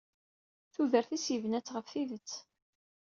Tudert-is yebna-tt ɣef tidet.